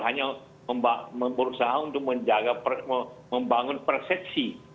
hanya berusaha untuk menjaga membangun persepsi